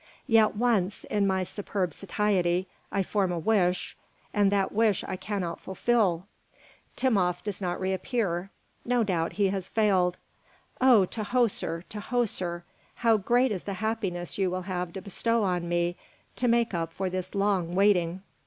Yet once, in my superb satiety, I form a wish, and that wish I cannot fulfil. Timopht does not reappear. No doubt he has failed. Oh, Tahoser, Tahoser! How great is the happiness you will have to bestow on me to make up for this long waiting!"